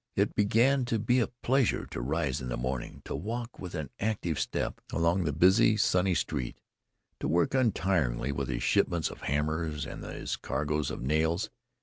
It began to be a pleasure to rise in the morning, to walk with an active step along the busy, sunny street, to work untiringly with his shipments of hammers and his cargoes of nails.